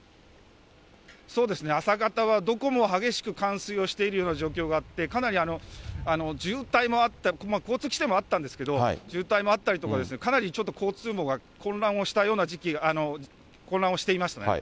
そうですね、朝方はどこも激しく冠水をしているような状況があって、かなり渋滞もあって、交通規制もあったんですけど、渋滞もあったりとか、かなりちょっと交通網が混乱していましたね。